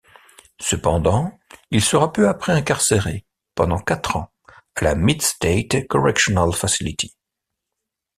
Cependant, il sera peu après incarcéré pendant quatre ans à la Mid-State Correctional Facility.